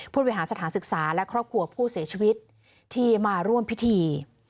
บริหารสถานศึกษาและครอบครัวผู้เสียชีวิตที่มาร่วมพิธี